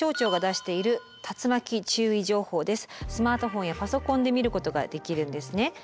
スマートフォンやパソコンで見ることができるんですね。